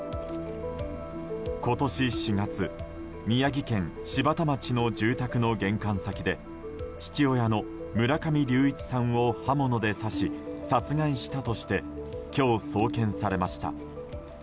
今年４月、宮城県柴田町の住宅の玄関先で父親の村上隆一さんを刃物で刺し殺害したとして今日送検されました。